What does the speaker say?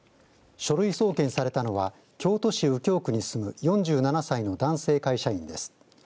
書類送検されたのは京都市右京区に住む４７歳の男性会社員です。